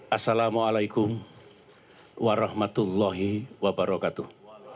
assalamualaikum warahmatullahi wabarakatuh